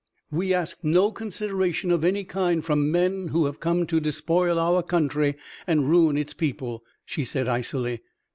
"We ask no consideration of any kind from men who have come to despoil our country and ruin its people," she said icily.